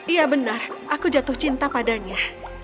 iya benar aku jatuh cinta padanya